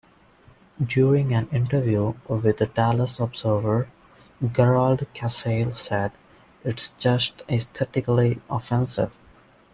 During an interview with the "Dallas Observer", Gerald Casale said, "It's just aesthetically offensive.